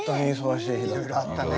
いろいろあったね。